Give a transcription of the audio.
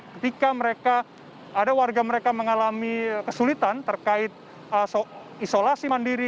ketika mereka ada warga mereka mengalami kesulitan terkait isolasi mandiri